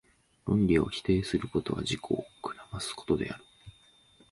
論理を否定することは、自己を暗ますことである。